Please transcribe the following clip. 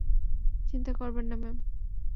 চিন্তা করবেন না, ম্যাম!